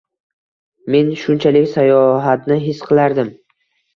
Men shunchalik sayohatni his qilardim.